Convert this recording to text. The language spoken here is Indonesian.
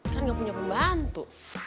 kan gak punya pembantu